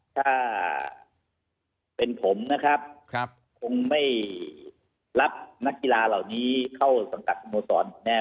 ถ้าเป็นผมนะครับคงไม่รับนักกีฬาเหล่านี้เข้าสังกัดสโมสรแน่